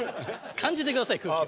感じてください空気。